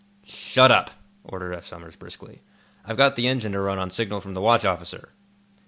"Shut up," ordered Eph Somers, briskly. "I've got the engine to run on signal from the watch officer."